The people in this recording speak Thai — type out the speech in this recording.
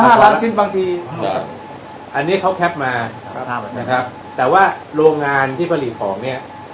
สินค้า๕๐๐๐ชิ้นบางทีอันนี้เขาแคปมานะครับแต่ว่าโรงงานที่ผลิตของเนี่ย